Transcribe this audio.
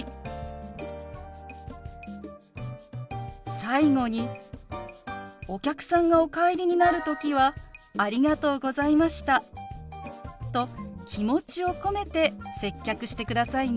最後にお客さんがお帰りになる時は「ありがとうございました」と気持ちを込めて接客してくださいね。